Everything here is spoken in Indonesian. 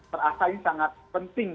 terasai sangat penting